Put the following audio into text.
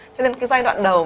cho nên cái giai đoạn đầu